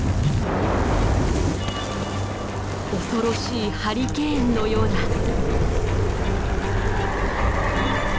恐ろしいハリケーンのようだ。